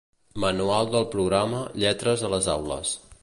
Manual del programa "Lletres a les aules"